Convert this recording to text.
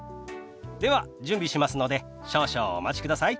では準備しますので少々お待ちください。